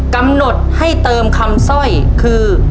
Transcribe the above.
กำหนดให้เติมคำสร้อยคือ